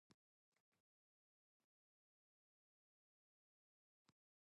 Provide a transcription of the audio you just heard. Their full title was the 'Kent Zoological and Botanical Gardens Institution'.